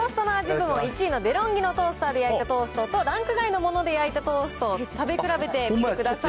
部門１位のデロンギのトースターで焼いたトーストと、ランク外のもので焼いたトースト、食べ比べてみてください。